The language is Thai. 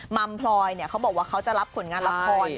มัมพลอยเขาบอกว่าเขาจะรับผลงานละคร